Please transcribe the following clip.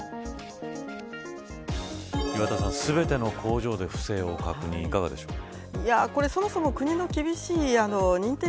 岩田さん全ての工場で不正を確認、いかがでしょうか。